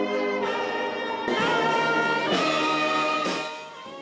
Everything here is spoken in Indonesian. ketika musik bambu sudah terlalu mudah musik bambu akan terlalu mudah